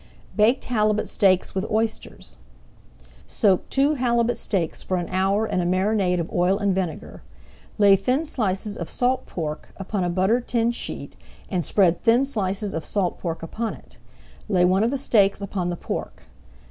BAKED HALIBUT STEAKS WITH OYSTERS Soak two halibut steaks for an hour in a marinade of oil and vinegar. Lay thin slices of salt pork upon a buttered tin sheet, and spread thin slices of salt pork upon it. Lay one of the steaks upon the pork.